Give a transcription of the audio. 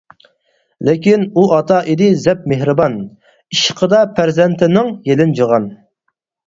لېكىن، ئۇ ئاتا ئىدى زەپ مېھرىبان، ئىشقىدا پەرزەنتىنىڭ يېلىنجىغان.